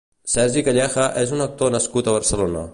Sergi Calleja és un actor nascut a Barcelona.